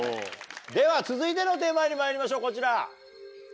では続いてのテーマにまいりましょうこちら。